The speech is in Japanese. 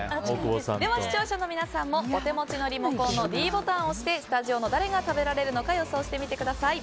では、視聴者の皆さんもお手持ちのリモコンのｄボタンを押してスタジオの誰が食べられるのか予想してみてください。